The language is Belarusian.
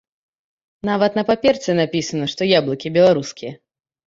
Нават на паперцы напісана, што яблыкі беларускія!